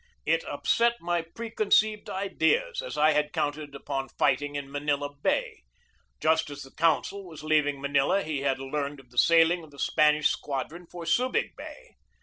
It upset my preconceived ideas, as I had counted upon fight ing in Manila Bay. Just as the consul was leaving Manila he had learned of the sailing of the Spanish squadron for Subig Bay.